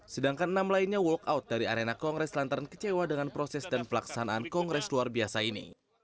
sedangkan enam lainnya walk out dari arena kongres lantaran kecewa dengan proses dan pelaksanaan kongres luar biasa ini